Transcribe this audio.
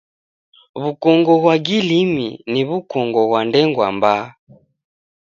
W'ukongo ghwa gilimi ni w'ukongo ghwa ndengwa mbaa.